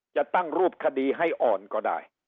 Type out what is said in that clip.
จะตั้งรูปคดีให้อ่อนก็ได้